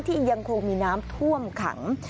ยังคงมีน้ำท่วมขัง